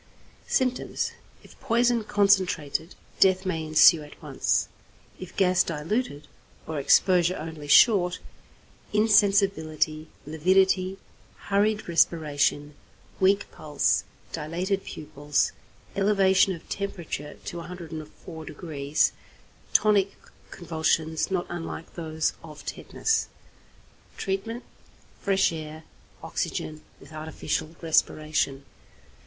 Symptoms. If poison concentrated, death may ensue at once; if gas diluted, or exposure only short, insensibility, lividity, hurried respiration, weak pulse, dilated pupils, elevation of temperature to 104°, tonic convulsions not unlike those of tetanus. Treatment. Fresh air, oxygen, with artificial respiration.